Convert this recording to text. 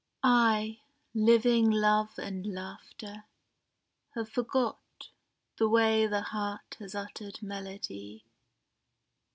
_" I, living love and laughter, have forgot The way the heart has uttered melody.